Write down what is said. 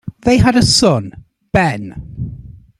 They had a son, Ben.